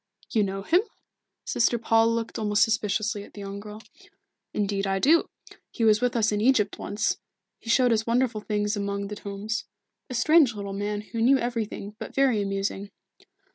"You know him?" Sister Paul looked almost suspiciously at the young girl. "Indeed I do. He was with us in Egypt once. He showed us wonderful things among the tombs. A strange little man, who knew everything, but very amusing."